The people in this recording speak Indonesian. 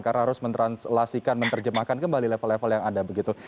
karena harus mentranslasikan menerjemahkan kembali level level yang ada begitu